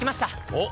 おっ！